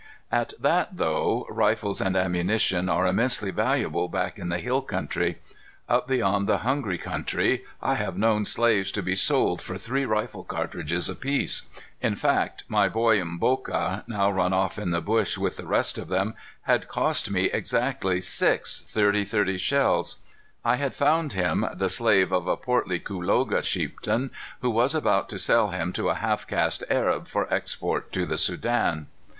At that, though, rifles and ammunition are immensely valuable back in the hill country. Up beyond the Hungry Country, I have known slaves to be sold for three rifle cartridges apiece. In fact, my boy Mboka now run off in the bush with the rest of them had cost me exactly six .30 .30 shells. I had found him the slave of a portly Kuloga chieftain who was about to sell him to a half caste Arab for export to the Sudan.